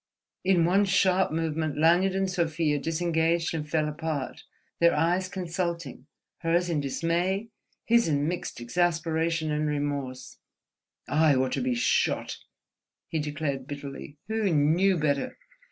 In one sharp movement Lanyard and Sofia disengaged and fell apart, their eyes consulting, hers in dismay, his in mixed exasperation and remorse. "I ought to be shot," he declared, bitterly—"who knew better!